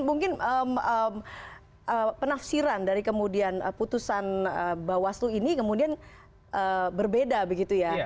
jadi penafsiran dari kemudian putusan bawaslu ini kemudian berbeda begitu ya